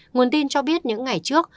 nguồn tin cho biết những ngày trước